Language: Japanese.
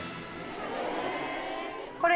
これ。